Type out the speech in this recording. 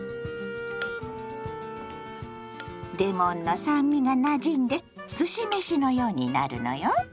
レモンの酸味がなじんですし飯のようになるのよ。